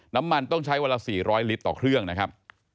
น้ำมันต้องใช้วันละ๔๐๐ลิตรต่อเครื่องนะครับ